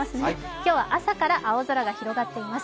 今日は朝から青空が広がっています。